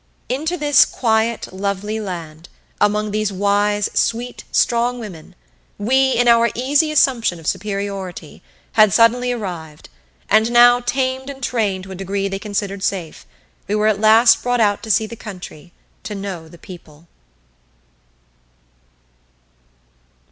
Into this quiet lovely land, among these wise, sweet, strong women, we, in our easy assumption of superiority, had suddenly arrived; and now, tamed and trained to a degree they considered safe, we were at last brought out to see the country, to know the people.